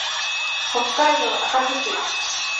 北海道旭川市